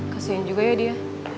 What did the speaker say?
kasian juga ya dia